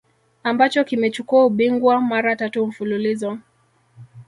ambacho kimechukua ubingwa mara tatu mfululizo